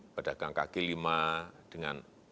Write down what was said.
pedagang kg lima dengan